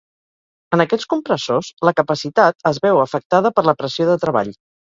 En aquests compressors la capacitat es veu afectada per la pressió de treball.